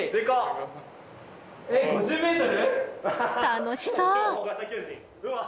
楽しそう！